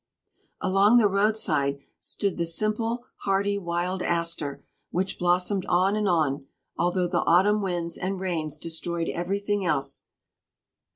Along the roadside stood the simple, hardy wild aster, which blossomed on and on, although the autumn winds and rains destroyed everything else.